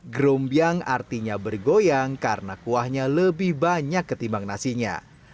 gerombiang artinya bergoyang karena kuahnya lebih banyak ketimbang nasinya